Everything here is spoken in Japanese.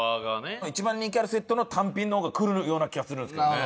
一番人気あるセットの単品の方がくるような気がするんですけどね。